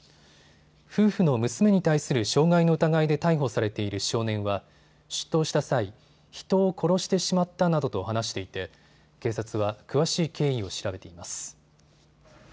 夫婦の娘に対する傷害の疑いで逮捕されている少年は出頭した際、人を殺してしまったなどと話していて警察は詳しい経緯を調べています。